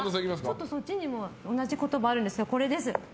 ちょっとそっちにも同じ言葉あるんですけどこれです。